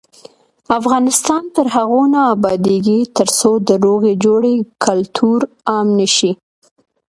افغانستان تر هغو نه ابادیږي، ترڅو د روغې جوړې کلتور عام نشي.